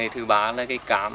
thứ ba là cái cam